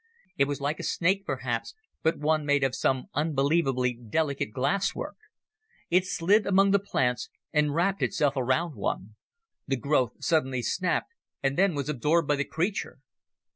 It was like a snake perhaps, but one made of some unbelievably delicate glasswork. It slid among the plants and wrapped itself around one. The growth snapped suddenly, and then was absorbed by the creature.